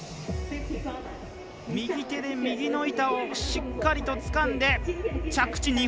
右手で右の板をしっかりとつかんで着地。